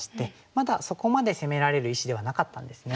まだそこまで攻められる石ではなかったんですね。